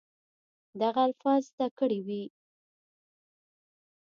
دغه الفاظ زده کړي وي